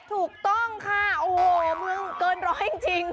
ถูกต้องค่ะโอ้โหเมืองเกินร้อยจริง